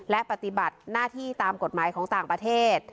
และปฏิบัติหน้าที่ตามกฎหมายของต่างประเทศ